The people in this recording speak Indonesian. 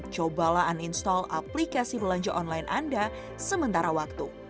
cobalah uninstall aplikasi belanja online anda sementara waktu